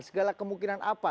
segala kemungkinan apa